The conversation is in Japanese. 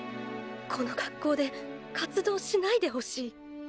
この学校で活動しないでほしい。